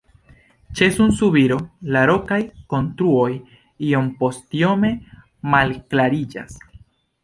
Ĉe sunsubiro la rokaj konturoj iompostiome malklariĝas.